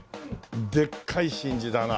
でっかい真珠だな。